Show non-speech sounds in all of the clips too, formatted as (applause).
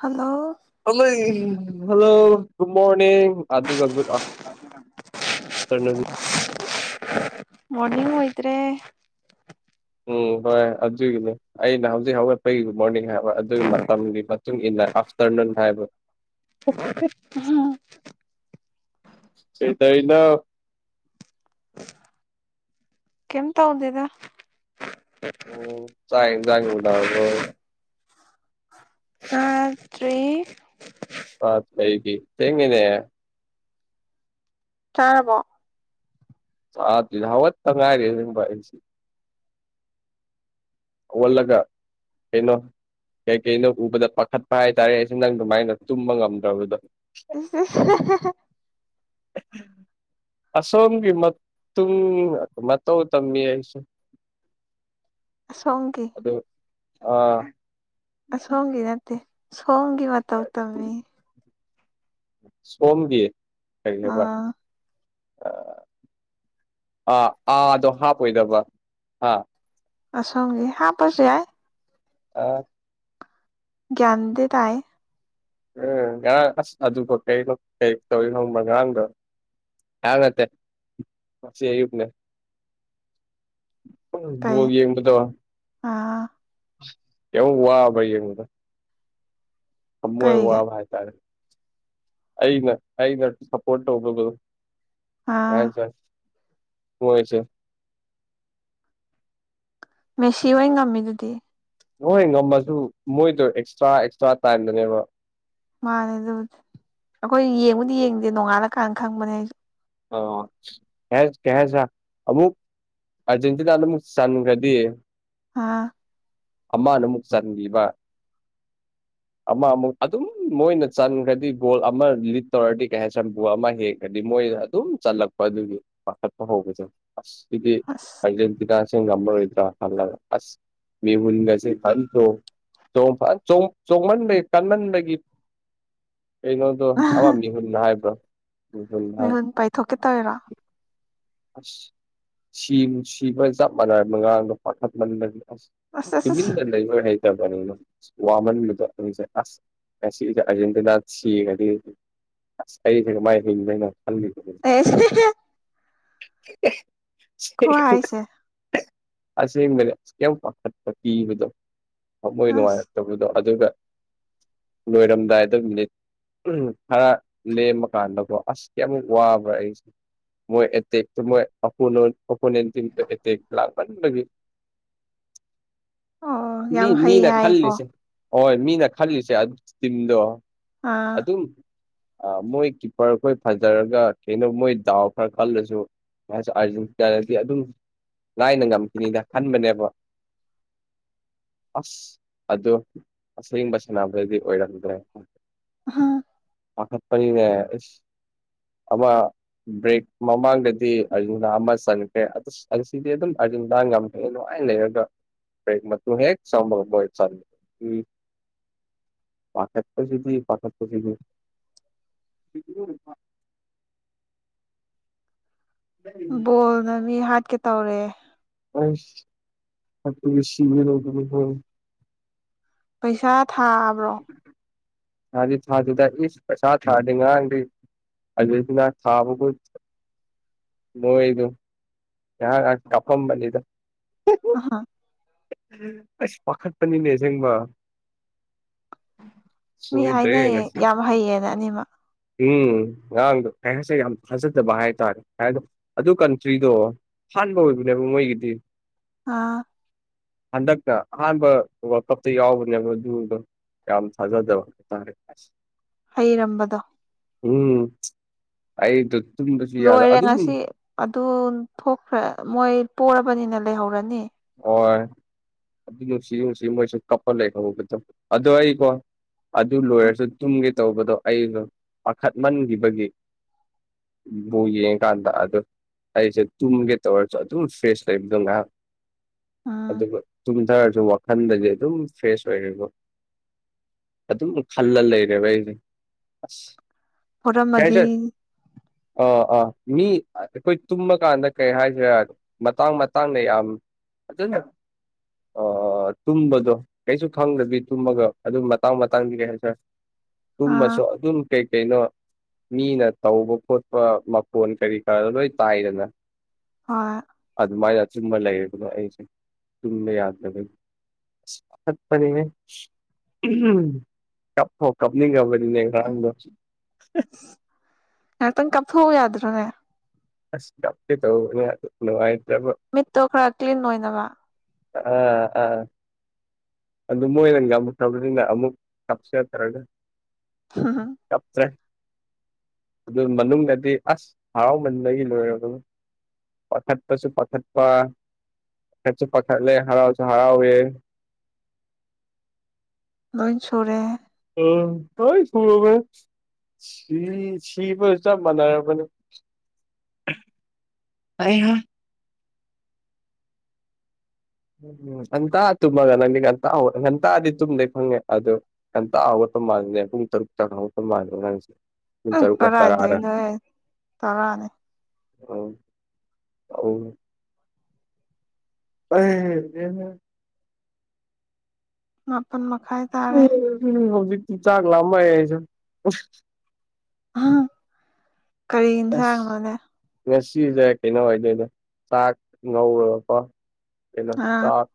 hello ꯍꯜꯂꯣꯏ hello good morning ꯑꯗꯨꯒ good afternoon (unintelligible) morning ꯑꯣꯏꯗ꯭ꯔꯦ ꯎꯝ ꯍꯣꯏ ꯑꯗꯨꯒꯤꯅꯤ ꯑꯩꯅ ꯍꯧꯖꯤꯛ ꯍꯧꯒꯠꯄꯩꯒꯤ ꯃꯣꯔꯅꯤꯡ ꯍꯥꯏ ꯑꯗꯨꯒꯤ ꯃꯇꯝ ꯨꯃꯇꯨꯡ ꯏꯟꯅ ꯑꯐꯇꯔꯅꯨꯟ ꯍꯥꯏꯕ (unintelligible) ꯀꯩꯇꯣꯢꯅꯣ ꯀꯩꯝ ꯇꯧꯗꯦꯗ ꯎꯝ ꯆꯥꯛ ꯍꯦꯟꯖꯥꯡ ꯎꯅꯔꯕꯣ ꯉꯥꯇ꯭ꯔꯤ ꯑ ꯀꯩꯒꯤ ꯊꯦꯡꯉꯤꯅꯦ ꯆꯥꯔꯕꯣ ꯆꯥꯗ꯭ꯔꯤꯗ ꯍꯧꯒꯠꯇ ꯉꯥꯏꯔꯤ (unintelligible) ꯍꯧꯒꯠꯂꯒ ꯀꯩꯅꯣ ꯀꯩ ꯀꯩꯅꯣ ꯎꯕꯗ ꯄꯥꯈꯠꯄ ꯍꯥꯏꯇꯥꯔꯦ ꯑꯩꯁꯦ ꯅꯪ ꯑꯗꯨꯃꯥꯏꯅꯒ ꯇꯨꯝꯕ ꯉꯝꯗ꯭ꯔꯕꯗꯣ (inaudible) (unintelligible) (unintelligible) ꯑꯁꯣꯝꯒꯤ ꯃꯇꯨꯡ ꯃꯇꯧ ꯇꯝꯃꯤ ꯑꯩꯁꯨ ꯑꯁꯣꯝꯒꯤ ꯑꯥ ꯑꯁꯣꯝꯒꯤ ꯅꯠꯇꯦ ꯁꯣꯝꯒꯤ ꯃꯇꯧ ꯇꯝꯃꯤ ꯁꯣꯝꯒꯤ ꯀꯩꯅꯦꯕ ꯑꯥ ꯑꯥ ꯑꯥꯗꯣ ꯍꯥꯞꯄꯣꯏꯗꯕ ꯍꯥ ꯑꯁꯣꯝꯒꯦ ꯍꯥꯞꯄꯁꯨ ꯌꯥꯢ ꯑꯥ ꯒ꯭ꯌꯥꯟꯗꯤ ꯇꯥꯏ ꯎꯝ ꯉꯔꯥꯡ ꯑꯁ ꯑꯗꯨꯀꯣ ꯀꯩꯅꯣ ꯀꯩ ꯇꯧꯏ ꯈꯪꯕ꯭ꯔꯥ ꯉꯔꯥꯡꯗꯣ ꯉꯔꯥꯡ ꯅꯠꯇꯦ ꯉꯁꯤ ꯑꯌꯨꯛꯅꯦ ꯎꯝ ꯀꯩ ꯕꯣꯜ ꯌꯦꯡꯕꯗꯣ ꯑꯥ ꯌꯥꯝ ꯋꯥꯕ꯭ꯔꯥ ꯌꯦꯡꯕꯗ ꯊꯝꯃꯣꯢ ꯀꯩꯒꯤ ꯋꯥꯕ ꯍꯥꯏꯇꯥꯔꯦ ꯑꯩꯅ ꯑꯩꯅ ꯁꯞꯄꯣꯔꯠ ꯇꯧꯕꯗꯨ ꯑꯥ (unintelligible) ꯃꯣꯏꯁꯦ ꯃꯦꯁꯤ ꯑꯣꯏ ꯉꯝꯃꯤꯗꯨꯗꯤ ꯅꯍꯣꯏ ꯉꯝꯃꯁꯨ ꯃꯣꯏꯗꯣ ꯑꯦꯛꯁꯇ꯭ꯔꯥ ꯑꯦꯛꯁꯇ꯭ꯔꯥ ꯇꯥꯏꯝꯗꯅꯦꯕ ꯃꯥꯅꯦ ꯑꯗꯨꯕꯨꯗꯤ ꯑꯩꯈꯣꯏ ꯌꯦꯡꯕꯨꯗꯤ ꯌꯦꯡꯗꯦ ꯅꯣꯡꯉꯥꯜꯂ ꯀꯥꯟꯗ ꯈꯪꯕꯅꯦ ꯑꯩꯁꯨ ꯑ ꯀꯩ ꯀꯩ ꯍꯥꯢꯖꯤꯔ ꯑꯃꯨꯛ ꯑꯔꯖꯦꯟꯇꯤꯅꯥꯗ ꯑꯃꯨꯛ ꯆꯟꯈ꯭ꯔꯗꯤ ꯍꯥꯥ ꯑꯝꯃꯥꯅ ꯑꯃꯨꯛ ꯆꯔꯂꯤꯕ ꯑꯃ ꯑꯃꯨꯛ ꯑꯗꯨꯝ ꯃꯣꯏꯅ ꯆꯟꯈ꯭ꯔꯗꯤ ꯒꯣꯜ ꯑꯃ ꯂꯤꯠ ꯇꯧꯔꯗꯤ ꯀꯩ ꯍꯥꯏꯁꯤꯔ ꯒꯣꯜ ꯑꯃ ꯍꯦꯟꯈ꯭ꯔꯗꯤ ꯃꯣꯏ ꯑꯗꯨꯝ ꯆꯠꯂꯛꯄ ꯑꯗꯨꯒꯤ ꯄꯥꯈꯠꯄ ꯍꯧꯕꯁꯦ ꯑꯁ ꯑꯩꯗꯤ ꯑꯁ ꯑꯥꯔꯖꯦꯟꯇꯤꯅꯥꯁꯤ ꯉꯝꯕꯔꯣꯏꯗ꯭ꯔꯥ ꯈꯜꯂꯒ ꯑꯁ ꯃꯤꯍꯨꯟꯒꯁꯦ ꯐꯟꯆꫭꯡ ꯆꯣꯡꯟꯕꯒꯤ ꯀꯟꯃꯟꯕꯒꯤ ꯀꯩꯅꯣꯗꯣ ꯑꯃ ꯃꯤꯍꯨꯅ ꯍꯥꯏꯕ꯭ꯔꯣ ꯃꯤꯍꯨꯟ ꯄꯥꯏꯊꯣꯛꯀꯦ ꯇꯧꯔꯥ ꯑꯁ ꯁꯤ ꯁꯤꯕ ꯆꯞ ꯃꯥꯟꯅꯩ ꯃꯉꯥꯡꯗꯣ ꯄꯥꯈꯠꯃꯟꯕꯅꯤ ꯑꯁ ꯑꯁ ꯑꯁ ꯇꯨꯃꯤꯟꯅ ꯂꯩꯕ ꯍꯩ ꯇꯕꯅꯤꯅ ꯋꯥꯃꯟꯕꯗꯣ ꯑꯩꯖꯦ ꯑꯁ ꯉꯁꯤꯁꯦ ꯑꯔꯖꯦꯟꯇꯤꯅꯥ ꯁꯤꯒꯗꯤ ꯑꯁ ꯑꯩꯁꯦꯒ ꯃꯥꯏ ꯍꯤꯡꯗꯩꯅ ꯈꯜꯂꯤꯕꯅꯤ (unintelligible) (unintelligible) ꯈꯨꯍꯥꯏꯁꯦ ꯑꯁꯦꯡꯕꯅꯦ ꯌꯥꯝ ꯄꯥꯈꯠꯄ ꯀꯤꯕꯗꯣ ꯊꯃꯣꯏ ꯑꯁ ꯅꯨꯡꯉꯥꯏꯔ ꯇꯧꯕꯗꯣ ꯑꯗꯨꯒ ꯂꯣꯏꯔꯝꯗꯥꯏꯗ ꯃꯤꯅꯤꯠ ꯈꯔ ꯂꯦꯝꯕ ꯀꯥꯟꯗꯀꯣ ꯑꯁ ꯀꯌꯥꯃꯨꯛ ꯋꯥꯕ꯭ꯔꯥ ꯑꯩꯁꯦ ꯃꯣꯏ (unintelligible) ꯑꫭꯄꫭꯅꯦꯟ ꯇꯤꯝꯗꫭ ꯑꯦꯇꯦꯛ ꯂꯥꯛꯕꯅꯤ ꯑꯣ ꯃꯤ ꯌꯥꯝ ꯍꯩ ꯃꯤꯅ ꯍꯥꯏꯀꯣ ꯈꯜꯂꯤꯁꯦ ꯍꯣꯏ ꯃꯤꯅ ꯈꯜꯂꯤꯁꯦ ꯑꯗꯨ ꯇꯤꯝꯗꯣ ꯑꯥ ꯑꯗꯨꯝ ꯑ ꯃꯣꯏ ꯀꯤꯞꯄꯔꯈꯣꯏ ꯐꯖꯔꯒ ꯀꯩꯅꯣ ꯃꯣꯏ ꯗꯥꯎ ꯈꯔ ꯈꯜꯂꯁꯨ ꯃꯥꯁꯨ ꯑꯥꯔꯖꯦꯟꯇꯤꯅꯥꯅꯗꯤ ꯑꯗꯨꯝ ꯂꯥꯏꯅ ꯉꯝꯈꯤꯅꯤꯅ ꯈꯟꯕꯅꯦꯕ ꯑꯁ ꯑꯗꯣ ꯑꯁꯦꯡꯕ ꯁꯥꯟꯅꯕꯗꯗꯤ ꯑꯣꯏꯔꯝꯗ꯭ꯔꯦ ꯍꯥꯥ ꯄꯥꯈꯠꯄꯅꯤꯅꯦ ꯑꯁ ꯑꯃ ꯕ꯭ꯔꯦꯛ ꯃꯃꯥꯡꯗꯗꯤ ꯗꯤ ꯑꯔꯖꯤꯟꯗꯥ ꯑꯃ ꯆꯟꯈ꯭ꯔꯦ ꯑꯁꯤꯗꯤ ꯑꯗꯨꯝ ꯑꯔꯖꯤꯟꯗꯥ ꯉꯝꯈ꯭ꯔꯦ ꯅꯨꯡꯉꯥꯏꯅ ꯂꯩꯔꯒ ꯕ꯭ꯔꯦꯛꯃꯇꯨꯡ ꯍꯦꯛ ꯆꯪꯕꯒ ꯃꯥꯏ ꯆꯟ (unintelligible) ꯄꯥꯈꯠꯄꯁꯤꯗꯤ ꯄꯥꯈꯠꯄꯁꯤꯗꯤ ꯕꯣꯜꯅ ꯃꯤ ꯍꯥꯠꯀꯦ ꯇꯧꯔꯦ (unintelligible) ꯄꯩꯁꯥ ꯊꯥꯕ꯭ꯔꯣ ꯊꯥꯗꯤ ꯊꯥꯗꯦꯗ ꯄꯁꯥ ꯊꯥ ꯔꯗꯤ ꯉꯔꯥꯡꯗꯤ ꯑꯥꯔꯖꯦꯟꯇꯤꯅꯥ ꯊꯥꯕꯒꫭꯏ ꯃꫭꯏꯗꫭ (unintelligible) ꯑꯍ ꯑꯁ ꯄꯥꯈꯠꯄꯅꯤꯅꯦꯁꯦꯡꯕ ꯃꯤ ꯍꯥꯏꯅꯩꯌꯦ ꯌꯥꯝ ꯍꯩꯌꯦꯅ ꯑꯅꯤꯃꯛ ꯎꯝ ꯑꯉꯥꯡꯗꯣ ꯍꯥꯏꯁꯦ ꯌꯥꯝ ꯊꯥꯖꯗꯕ ꯍꯥꯏꯇꯥꯔꯦ ꯍꯥꯏꯣ ꯑꯗꯨ ꯀꯟꯇ꯭ꯔꯤꯗꯣ ꯍꯥꯟꯕꯅꯦꯕ ꯃꯣꯏꯒꯤꯗꯤ ꯑꯥ ꯍꯟꯗꯛꯅ ꯑꯍꯥꯟꯕ ꯋꯥꯔꯜꯗ ꯀꯞꯇ ꯌꯥꯎꯕꯅꯦ ꯑꯗ ꯨꯗꯣ ꯌꯥꯝ ꯊꯥꯖꯥꯕ ꯍꯥꯏꯇꯥꯔꯦ ꯃꯥꯁꯤ ꯍꯩꯔꯝꯕꯗꯣ ꯎꯝ ꯑꯩꯗꯣ ꯇꯨꯝꯗꯁꯨ ꯌꯥꯗ ꯂꯣꯏꯔꯦ ꯑꯗꯨꯝ ꯉꯁꯤ ꯑꯗꯨ ꯊꯣꯛꯈ꯭ꯔ ꯃꯣꯏ ꯄꯣꯔꯔꯕꯅꯤꯅ ꯂꯩꯍꯧꯔꯅꯤ ꯍꯣꯏ (unintelligible) ꯃꯣꯏ ꯀꯞꯄ ꯂꯩꯈꯊ ꯑꯗꯣ ꯑꯩ ꯀꫭ ꯑꯗꯨ ꯂꯣꯏꯔꯁꯨ ꯇꯨꯝꯒꯦ ꯇꯧꯕꯗꯣ ꯑꯩꯗꯣ ꯄꯥꯈꯠꯃꯟꯈꯤꯕꯒꯤ ꯕꫭꯜ ꯌꯦꯡ ꯀꯥꯟꯗ ꯑꯗꯨ ꯑꯩꯁꯦ ꯇꯨꯝꯒꯦ ꯇꯧꯔꯁꯨ ꯑꯗꯨꯝ ꯏꯁꯇ꯭ꯔꯦꯁ ꯂꯩꯕꯗꯣ ꯉꯥꯏꯍꯥꯛ ꯎꯝ ꯑꯗꯨꯒ ꯆꯨꯝꯊꯔꯁꯨ ꯋꯥꯈꯟꯗꯗꯤ ꯑꯗꯨꯝ ꯏꯁꯇ꯭ꯔꯦꯁ ꯑꯣꯏꯔꯕ ꯑꯗꯨꯝ ꯈꯜꯂ ꯂꯩꯔꯦꯕ ꯑꯩꯁꯦ ꯑꯁ ꯄꯔꯝꯃꯗꯤ ꯑꯥ ꯑꯥ ꯃꯤ ꯑꯩꯈꯣꯏ ꯇꯨꯝꯃꯀꯥꯟꯗ ꯀꯔꯤ ꯍꯥꯏꯁꯦ ꯌꯥꯗꯣ ꯃꯇꯥꯡ ꯃꯇꯥꯡꯅꯦ ꯌꯥꯝ ꯅꯦ ꯑ ꯇꯨꯝꯝꯕꯗꯨꯣ ꯀꯩꯁꯨ ꯈꯪꯗ꯭ꯔꯗꯤ ꯇꯨꯝꯃꯒ ꯑꯗꯨꯝ ꯃꯇꯥꯡ ꯃꯇꯥꯡꯗꯤ ꯂꯩ ꯍꯥꯏ ꯁꯥꯔ ꯑꯥ ꯇꯨꯝꯃꯁꯨ ꯑꯗꯨꯝ ꯀꯩꯀꯩꯅꯣ ꯃꯤꯅ ꯇꯧꯕ ꯈꯣꯠꯄ ꯃꯣꯟ ꯀꯔꯤ ꯀꯔꯥꯗ ꯂꯣꯏ ꯇꯥꯏꯗꯅ ꯍꯣꯏ ꯑꯗꯨꯃꯥꯏꯅ ꯑꯆꯨꯝꯕ ꯂꯩꯌꯦꯕꯅꯣ ꯑꯩꯁꯦ ꯆꯨꯝꯕ ꯌꯥꯗꯕꯅꯤ ꯠꯄꯅꯤꯅꯦ ꯀꯞꯊꯣ ꯀꯞꯅꯤꯡ ꯀꯕꯅꯤꯅꯦ ꯉꯔꯥꯡꯗꯣ ꯉꯥꯏꯍꯥꯛꯇꯪ ꯀꯥꯞꯊꯣꯛꯎ ꯌꯥꯗ꯭ꯔꯣꯅꯦ ꯑꯁ ꯇꯧꯕꯅꯦ ꯅꯨꯡꯉꯥꯏꯇ꯭ꯔꯕ ꯃꯤꯠꯇꯣ ꯈꯔ ꯀ꯭ꯂꯤꯟ ꯑꯣꯏꯅꯕ ꯑ ꯑꯥ ꯑꯗꯨ ꯃꯣꯏꯅ ꯉꯝꯃꯊꯕꯅꯤꯅ ꯑꯃꯨꯛ ꯀꯞꯁꯤꯊꯔꯒ (unintelligible) ꯀꯞꯇ꯭ꯔꯦ ꯑꯗꯨ ꯃꯅꯨꯡꯗꯗꯤ ꯑꯁ ꯍꯔꯥꯎꯃꯟꯗꯒꯤ ꯂꯣꯏꯔ ꯑꯗꯨꯅ ꯄꯊꯔ ꯇꯁꯨ ꯄꯊꯔ ꯄ ꯄꯊꯔꯁꯨ ꯄꯊꯔ ꯂꯩ ꯍꯔꯁꯨ ꯍꯔꯥꯎꯦ ꯂꯣꯏ ꯁꯨꯔꯦ ꯎ ꯇꯧ ꯁꯕ ꯁꯤ ꯁꯤꯕꯨꯇ ꯃꯅꯥꯣ ꯑꯃꯅꯤ ꯑꯩ ꯍ ꯎ ꯉꯟꯇꯥ ꯇꯨꯝꯃꯒ ꯅꯪꯗꯤ ꯉꯟꯇꯥꯦ ꯉꯟꯇꯥꯗꯤ ꯇꯨꯝꯗꯩ ꯐꯪꯉꯦ ꯑꯗꯨꯣ ꯑꯟ ꯑꯋꯥꯇ ꯃꯥꯥꯡꯅꯦ ꯏꯇꯔ ꯆꯇ ꯃꯥꯁꯤꯦ ꯀꯔꯥꯏꯗ ꯅꯣꯏ ꯇꯔꯥꯅꯦ ꯑ ꯑ ꯑ ꯃꯥꯄꯟ ꯃꯈꯥꯏ ꯇꯥꯔꯦ ꯎ ꯍꯧꯖꯤꯤ ꯆꯥꯛ ꯂꯥꯕꯥ ꯌꯥꯏꯁ ꯀꯔꯤ ꯑꯁ ꯏꯟꯁꯥꯥꯡꯅꯣꯅꯦ ꯉꯁꯤꯁꯦ ꯀꯩꯅꯣ ꯍꯥꯏꯗꯣꯏꯅꯦ ꯆꯥꯛ ꯉꯧꯔꯒꯀꯣ ꯀꯩꯅꯣ ꯆꯥꯛ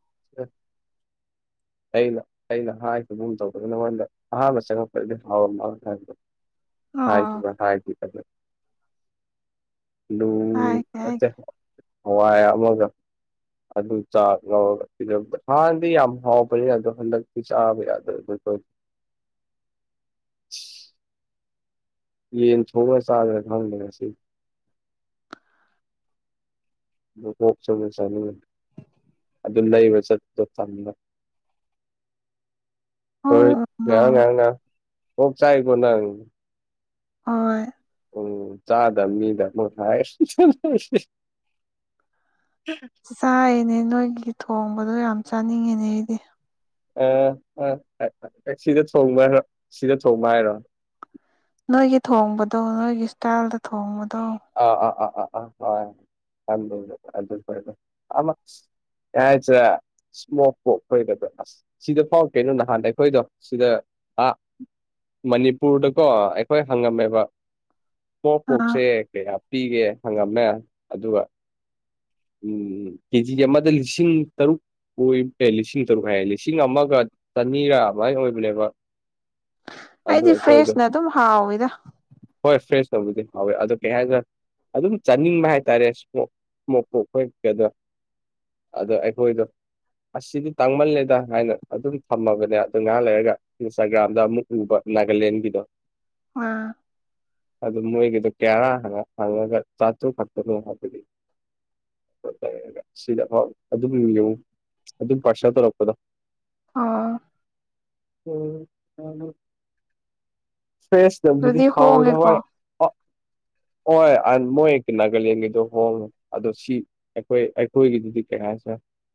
ꯑꯩꯅ ꯑꯩꯅ ꯍꯥꯏꯈꯤꯕꯒꯨꯝ ꯇꯧꯕꯗꯗ ꯅꯉꯣꯟꯗ ꯑꯍꯥꯟꯕ ꯆꯪꯉꯛꯄꯗꯗꯤ ꯍꯥꯎꯔꯝ ꯃꯥ ꯍꯥꯏꯕꯗꯣ ꯍꯥꯏ ꯍꯥꯏ ꯍꯥꯏꯒꯦ ꯂ ꯍꯥꯏꯒꯦ ꯂ ꯍꯋꯥꯏ ꯑꯃꯒ ꯑꯗꯨ ꯆꯥ ꯂꯧꯔꯒ ꯄꯤ ꯍꯥꯟꯅꯗꯤ ꯌꯥꯝ ꯍꯥꯎ ꯌꯥꯗꯣ ꯍꯟꯗꯛꯇꯤ ꯆꯥꯕ ꯌꯥꯗꯣꯏ ꯌꯦꯟ ꯊꯣꯡꯉ ꯆꯥꯗ꯭ꯔꯒ ꯈꯪꯗ꯭ꯔ ꯁꯤ ꯀꯣꯛ ꯆꯣꯡ ꯆꯅꯤꯡ ꯑꯗꯨ ꯂꯩꯕ ꯆꯠꯄꯗ ꯐꯝꯒ ꯍꯣꯏ ꯑꯣ ꯉ ꯅꯣ ꯉ ꯑꯣꯞ ꯆꯥꯏ ꯈꯨꯅ ꯍ ꯎꯝ ꯆꯥꯗꯝ ꯃꯤꯗꯃ ꯍꯥꯏ ꯁꯤ ꯆꯥꯏꯅꯦ ꯅꯣꯏꯒꯤ ꯊꯣꯡꯕꯗꯣ ꯌꯥꯝ ꯆꯥꯅꯤꯡꯉꯤꯅꯦ ꯑꯩꯗꯤ ꯑ ꯁꯤꯗ ꯊꯣꯡꯕ ꯍꯥꯏꯔꯣ ꯁꯤꯗ ꯊꯣꯡꯕ ꯍꯥꯏꯔꯣ ꯅꯣꯏꯒꯤ ꯊꯣꯡꯕꯗꯣ ꯅꯣꯏꯒꯤ ꯏꯁꯇꯥꯏꯜꯗ ꯊꯣꯡꯕꯗꯣ ꯑ ꯑꯥ ꯑꯥ ꯑꯥ ꯑꯥ ꯍ ꯑꯗꯨ ꯑꯗꯨ ꯌꯥꯆꯥ ꯏꯁꯃꯣꯛꯄꯣꯛ ꯑꯩꯈꯣꯏꯕꯗ ꯑꯁ ꯁꯤꯗ ꯐꯥꯎ ꯀꯩꯅꯣ ꯅꯍꯥꯟꯗ ꯑꯩꯈꯣꯏꯗꯣ ꯁꯤꯗ ꯑ ꯃꯅꯤꯄꯨꯔꯗꯀꯣ ꯑꯩꯈꯣꯏ ꯍꯪꯉꯝꯃꯦꯕ ꯄꯣꯛ ꯑꯥ ꯄꯣꯛꯁꯦ ꯀꯌꯥ ꯄꯤꯒꯦ ꯍꯪꯉꯝꯃꯦ ꯑꯗꯨꯒ ꯎꯝ ꯀꯦꯖꯤ ꯑꯃꯗ ꯂꯤꯁꯤꯡ ꯇꯔꯨꯛ ꯀ ꯂꯤꯁꯤꯡ ꯇꯔꯨꯛ ꯍꯥꯏꯌꯦ ꯂꯤꯁꯤꯡ ꯑꯃꯒ ꯆꯅꯤꯔꯥ ꯑꯗꯨꯃꯥꯏꯅ ꯑꯣꯏꯕꯅꯦꯕ (unintelligible) ꯑꯩꯗꯤ ꯑꯩꯈꯣꯏꯗꯣ ꯐꯦꯁꯅ ꯑꯗꯨꯝ ꯍꯥꯎ ꯏꯗ ꯍꯣꯏ ꯐ꯭ꯔꯦꯁ ꯇꯧꯕꯗꯤ ꯍꯋꯦ ꯑꯗꯨ ꯀꯩ ꯍꯥꯏꯔꯒ ꯑꯗꯨꯝ ꯆꯥꯅꯤꯡꯕ ꯍꯥꯏꯇꯥꯔꯦ ꯏꯁꯃꯣꯛ ꯏꯁꯃꯣꯛꯄꯨ ꯑꯩꯈꯣꯏ ꯀꯗ ꯑꯗꯣ ꯑꯩꯈꯣꯏꯗꯣ ꯑꯁꯤꯗꯤ ꯇꯥꯡꯃꯜꯂꯦꯗ ꯍꯥꯏꯅ ꯑꯗꯨꯝ ꯊꯝꯃꯕꯅꯦ ꯑꯗꯨ ꯉꯥꯏꯍꯥꯛ ꯂꯩꯔꯒ ꯏꯟꯁꯇꯥꯒ꯭ꯔꯥꯝꯗ ꯑꯃꯨꯛ ꯎꯕ ꯅꯥꯒꯥꯂꯦꯟꯒꯤꯗꯣ ꯎ ꯑꯗꯨ ꯃꯣꯏꯒꯤꯗꯣ ꯀꯦꯔꯥ ꯍꯪꯉꯒ ꯆꯥꯇꯨ ꯈꯛꯇꯅꯣ ꯍꯥꯏꯕꯗꯤ ꯁꯤꯗ ꯍ ꯑꯗꯨꯝ ꯌꯦꯡꯉꯨ ꯑꯗꯨꯝ ꯄꯥꯔꯁꯦꯜ ꯇꯧꯔꯛꯄꯗꯣ ꯑꯣ ꯎ ꯐ꯭ꯔꯦꯁ ꯅꯗꯤ ꯑꯗꯨꯗꯤ ꯊꯥꯎꯗ ꯍꯣꯡꯉꯦꯀꯣ ꯍꯣꯏ ꯍꯣꯏ ꯃꯣꯏ ꯍꯦꯛꯇꯤ ꯅꯥꯒꯥꯂꯦꯟꯒꯤꯗꯣ ꯍꯣꯡꯉꯦ ꯑꯗꯣ ꯁꯤ ꯑꯩꯈꯣꯏ ꯑꯩꯈꯣꯏꯒꯤꯗꯨꯗꯤ ꯀꯌꯥ ꯁ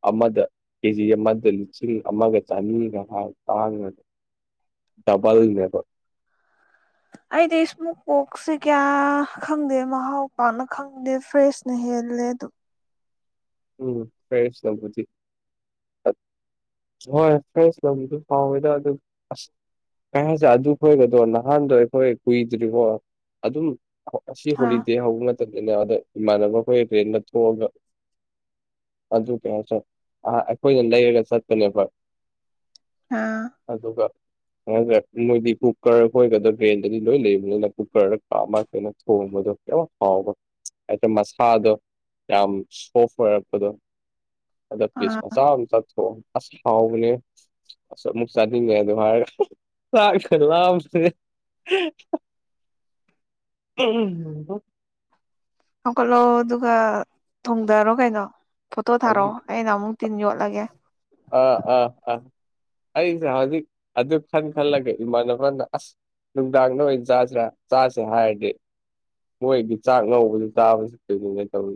ꯑꯃꯗ ꯀꯦꯖꯤ ꯑꯃꯗ ꯂꯤꯁꯤꯡ ꯑꯃꯒ ꯆꯅꯤꯒ ꯍꯥꯏ ꯇꯥꯡꯉꯒ ꯇꯕꯥꯜꯕꯣ ꯑꯩꯗꯤ ꯏꯁꯃꯣꯛ ꯄꯣꯛꯁꯦ ꯀꯌꯥ ꯈꯪꯗꯦ ꯃꯍꯥꯎ ꯄꯥꯛꯅ ꯈꯪꯗꯦ ꯐ꯭ꯔꯦꯁꯅ ꯍꯦꯜꯂꯦ ꯑꯗꯨꯝ ꯎꯝ ꯀꯩꯁ ꯅꯕꯨꯗꯤ ꯍꯣꯏ ꯐꯁ ꯂꯧꯗꯨ ꯐꯥꯎꯋꯗ ꯑꯗꯨ ꯀ ꯍꯥꯏꯁꯦ ꯑꯗꯨ ꯈꯣꯏꯕꯗꯣ ꯅꯍꯥꯟꯗꯣ ꯑꯩꯈꯣꯏ ꯀꯨꯏꯗ꯭ꯔꯤꯔꯤꯕꯣ ꯑꯗꯨꯝ ꯑꯁꯤ ꯑꯥ ꯍꯣꯂꯤꯗꯦ ꯍꯧꯕ ꯃꯇꯝꯗꯅꯦ ꯑꯗ ꯏꯃꯥꯟꯅꯕ ꯑꯩꯈꯣꯏ ꯔꯦꯟꯗ ꯊꯣꯛꯑꯒ ꯑꯗꯨ ꯀꯌꯥꯁꯦ ꯑꯩꯈꯣꯏꯅ ꯂꯩꯔꯒ ꯆꯠꯄꯅꯦꯕ ꯑꯥ ꯑꯗꯨꯒ ꯅꯗ꯭ꯔꯦ ꯃꯣꯏꯗꯤ ꯀꯨꯀꯔ ꯈꯣꯏꯒꯗ ꯒ꯭ꯔꯦꯟꯗꯗꯤ ꯂꯣꯏ ꯂꯩꯕꯅꯤꯅ ꯀꯨꯀꯔꯗ ꯀꯥꯞꯃ ꯀꯩꯅꯣ ꯊꯣꯡꯕꯗꯣ ꯌꯥꯝ ꯍꯥꯎꯕ ꯍꯥꯏꯗ ꯃꯁꯥꯗꯣ ꯌꯥꯝ ꯁꯣꯐ ꯑꯣꯏꯔꯛꯄꯗꯣ ꯑꯗ ꯄꯂꯤꯁ ꯑꯥ ꯃꯆꯥ ꯑꯃ ꯆꯊꯣꯛꯑꯣ ꯑꯁ ꯍꯥꯎꯕꯅꯦ ꯑꯁ ꯑꯃꯨꯛ ꯆꯥꯅꯤꯡꯉꯦ ꯑꯗꯣ ꯍꯥꯏꯔꯒ ꯂꯥꯛꯈ ꯂꯥꯛꯕꯁꯦ ꯎꯝ ꯍꯧꯀꯠꯂꯛꯑꯣ ꯑꯗꯨꯒ ꯊꯨꯡꯊꯔꯣ ꯀꯩꯅꯣ ꯐꯣꯇꯣ ꯊꯥꯔꯛꯑꯣ ꯍꯧꯖꯤꯛ ꯑꯩꯅ ꯑꯃꯨꯛ ꯇꯤꯟ ꯌꯣ ꯂꯒꯦ ꯑ ꯑꯥ ꯑꯥ ꯑꯩꯁꯦ ꯍꯧꯖꯤꯛ ꯑꯗꯨ ꯈꯟ ꯈꯜꯂꯒ ꯏꯃꯥꯟꯅꯕꯅ ꯑꯁ ꯅꯨꯡꯗꯥꯡꯗ ꯑꯣꯏꯅ ꯆꯥꯁꯤ꯭ꯔꯥ ꯆꯥꯁꯦ ꯍꯥꯏꯔꯗꯤ ꯃꯣꯏꯒꯤ ꯆꯥꯛ ꯉꯧꯕꯁꯨ ꯆꯥꯕꯁꯨ ꯀꯔꯤꯅꯤꯅ ꯇꯧꯋ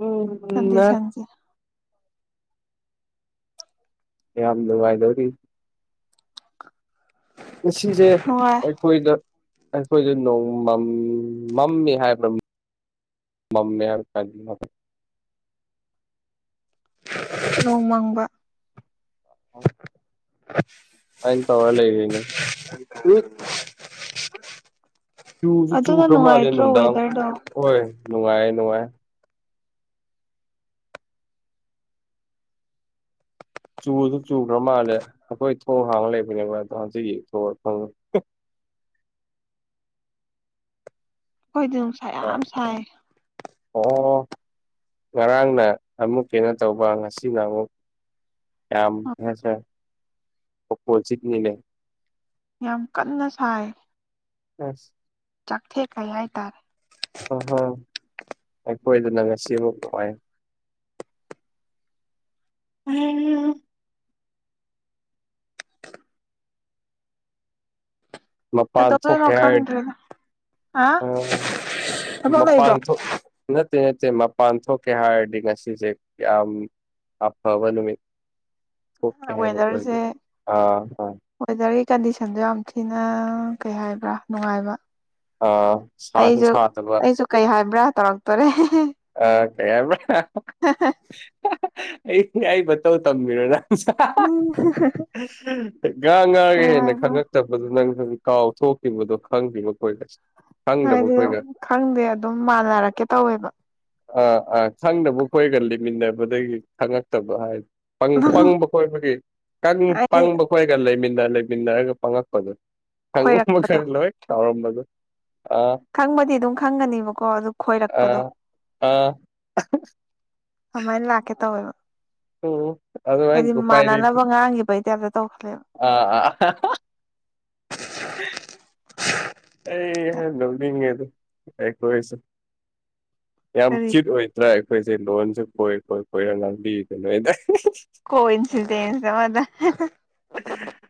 ꯎꯝ ꯀꯗꯤ ꯅ ꯁꯥꯡꯖꯤ ꯌꯥꯝ ꯂꯣ ꯋꯥꯏꯗꯧꯔꯤ ꯉꯁꯦ ꯅꯨꯡꯉꯥꯏ ꯑꯩꯈꯣꯏꯗ ꯑꯩꯈꯣꯏꯗ ꯅꯣꯡꯃꯝ ꯃꯝꯃꯤ ꯍꯥꯏꯕ ꯃꯃꯌꯥ ꯍꯥꯏ ꯆꯥꯖꯤ ꯅꯣꯡꯃꯥꯡꯕ ꯑꯅ ꯇꯧꯔꯂꯒꯅꯤ ꯇ ꯆꯨꯁꯨ ꯑꯗꯨꯅ ꯆꯨꯈ꯭ꯔ ꯃꯥꯜꯂꯦ ꯅꯨꯡꯉꯥꯏꯇ꯭ꯔꯣ ꯅꯨꯡꯗꯥꯡ ꯋꯦꯗꯔꯗꯣ ꯍꯣꯏ ꯅꯨꯡꯉꯥꯏ ꯅꯨꯡꯉꯥꯏ ꯆꯨꯗꯨ ꯆꯨꯈ꯭ꯔ ꯃꯥꯜꯂꯦ ꯑꯩꯈꯣꯏ ꯊꯣꯡ ꯍꯥꯡꯉꯒ ꯂꯩꯕꯅꯦ ꯃꯗꯣ ꯍꯟꯆꯤꯒꯤ ꯊꯣꯡꯑ ꯐꯪꯉꯦ ꯑꯩꯈꯣꯏꯗꯤ ꯅꯨꯡꯁꯥ ꯌꯥꯝ ꯁꯥꯏ ꯑꯣ ꯉꯔꯥꯡꯅ ꯑꯃꯨꯛ ꯀꯩꯅꯣ ꯇꯧꯕ ꯉꯁꯤꯅ ꯑꯃꯨꯛ ꯌꯥꯝ ꯍꯦ ꯁꯔꯣ ꯆꯅꯤ ꯂꯩ ꯌꯥꯝ ꯀꯟꯅ ꯁꯥꯏ ꯑ ꯆꯠꯊꯦꯛ ꯀꯩ ꯍꯥꯏꯥꯏ ꯇꯔꯦ ꯑꯍꯣꯏ ꯑꯩꯈꯣꯏꯗꯅ ꯉꯁꯤꯃꯨꯛ ꯅꯨꯡꯉꯥꯏ ꯎꯝ ꯃꯄꯥꯟ ꯊꯣꯛ ꯀꯩꯗꯧꯗꯣꯏꯅꯣ ꯈ ꯈꯪꯗ꯭ꯔꯦꯗ ꯍꯥ ꯑ ꯊꯕꯛ ꯃꯄꯥꯟ ꯂꯩꯕ꯭ꯔꯣ ꯊꯣꯛ ꯅꯠꯇꯦ ꯅꯠꯇꯦ ꯃꯄꯥꯟ ꯊꯣꯛꯀꯦ ꯍꯥꯏꯔꯗꯤ ꯉꯁꯤꯁꯦ ꯌꯥꯝ ꯑꯐꯕ ꯅꯨꯃꯤ ꯋꯦꯗꯔꯁꯦ ꯑꯥ ꯑꯥ ꯋꯦꯗꯔꯒꯤ ꯀꯟꯗꯤꯁꯟꯗ ꯌꯥꯝ ꯊꯤꯅ ꯀꯩ ꯍꯥꯏꯕ꯭ꯔꯥ ꯅꯨꯡꯉꯥꯏꯕ ꯑꯥ ꯁꯥꯁꯨ ꯑꯩꯁꯨ ꯁꯥꯗꯕ ꯑꯩꯁꯨ ꯀꯩ ꯍꯥꯏꯕ꯭ꯔꯥ ꯇꯧꯔꯛꯇꯣꯔꯦ ꯑ ꯀꯩꯌꯥ (unintelligible) ꯑꯩ ꯑꯩ ꯃꯇꯧ ꯇꯝꯕꯤꯔꯣꯅ ꯎꯝ ꯉꯥ ꯉꯥꯒ ꯀꯩ ꯍꯦꯟꯅ ꯍꯥꯏꯕ ꯈꯪꯉꯛ ꯆꯕꯗꯨ ꯅꯪꯪ ꯀꯥꯎ ꯊꯣꯛꯇꯈꯤꯕꯗꯣ ꯈꯪꯗꯦꯕ ꯑꯩꯣꯏ ꯂꯩꯁ ꯍꯥꯏꯗꯤ ꯑꯗꯨꯝ ꯈꯪꯗꯦ ꯑꯗꯨꯝ ꯃꯥꯟꯅꯔꯛꯀꯦ ꯇꯧꯋꯦꯕ ꯑꯥ ꯑꯥ ꯈꯪꯗꯅꯕ ꯑꯩꯣꯏꯒ ꯂꯩꯃꯤꯟꯅꯕꯗꯒꯤ ꯈꯪꯉꯛꯇꯕ ꯍꯥꯏ ꯄꯪꯕ ꯈꯣꯏꯕꯒꯤ ꯍꯥꯏꯗꯤ ꯄꯪꯕ ꯈꯣꯣꯏꯔꯒ ꯂꯩꯃꯤꯟꯅ ꯂꯩꯃꯤꯟꯅꯔꯒ ꯄꯪꯉꯛꯄꯗꯨ ꯍꯪ ꯃ ꯈꯣꯏꯔꯛꯄꯗꯣ ꯁꯔ ꯇꯥꯎꯔ ꯑꯗꯨ ꯈꯪꯕꯗꯤ ꯑꯗꯨꯝ ꯈꯪꯒꯅꯤꯕꯀꯣ ꯑꯗꯨ ꯈꯣꯏꯔꯛꯄꯗꯣ ꯑꯥ ꯑꯥ ꯀꯃꯥꯏꯅ ꯂꯥꯛꯀꯦ ꯇꯧꯋꯦꯕ ꯎꯝ ꯑꯗꯨꯃꯥꯏꯅ ꯍꯥꯏꯗꯤ ꯎꯄꯥꯏ ꯂꯩꯇꯦ ꯃꯥꯟꯅꯅꯕ ꯉꯥꯡꯈꯤꯕꯒꯤ ꯇꯥꯏꯞꯇ ꯇꯧꯈꯂꯦꯕ ꯑꯥ ꯑꯥ ꯑꯩꯍꯥꯟ ꯂꯧꯅꯤꯡꯉꯦꯗꯈꯣꯏꯁꯨꯦ ꯌꯥꯝ ꯀꯔꯤ ꯆꯤꯠ ꯑꯣꯏ ꯅ꯭ꯔ ꯑꯩꯈꯣꯏꯁꯦ ꯂꯣꯟꯁꯨꯦ ꯀꯣꯏꯔ ꯀꯣꯏ ꯀꯣꯏꯔ ꯉꯥꯡꯕꯤꯔꯤꯗꯅꯣ ꯑꯩꯗ ꯀꯣꯏ ꯏꯁꯤꯗꯟꯁꯃꯗ ꯑꯗꯨ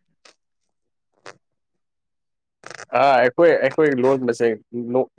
ꯑꯥ ꯑꯩꯈꯣꯏ ꯑꯩꯈꯣꯏ ꯂꯣꯟ ꯃꯁꯦ ꯅꯣꯛ